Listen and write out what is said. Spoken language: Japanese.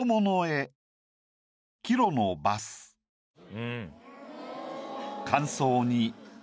うん。